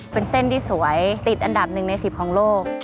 เป็นเส้นที่สวยติดอันดับ๑ใน๑๐ของโลก